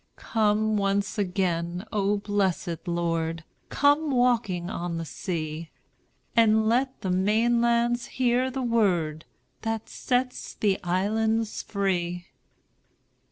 "Come once again, O blessed Lord! Come walking on the sea! And let the mainlands hear the word That sets the islands free!"